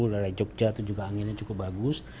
dari jogja itu juga anginnya cukup bagus